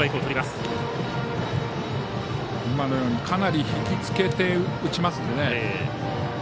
かなりひきつけて打ちますのでね。